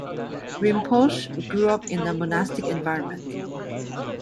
Rinpoche grew up in a monastic environment.